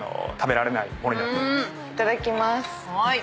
いただきます。